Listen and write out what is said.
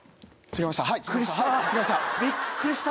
違いました